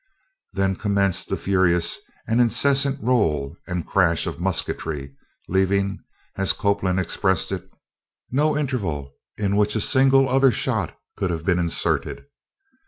Then commenced the furious and incessant roll and crash of musketry, leaving, as Copeland expressed it, no interval in which a single other shot could have been inserted.